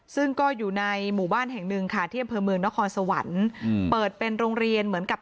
ซึ่งก็อยู่ในหมู่บ้านแห่งหนึ่งค่ะที่อำเภอเมืองนครสวรรค์เปิดเป็นโรงเรียนเหมือนกับ